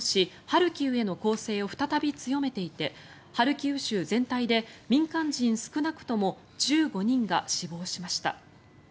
ハルキウへの攻勢を再び強めていてハルキウ州全体で民間人少なくとも１５人が死亡しました。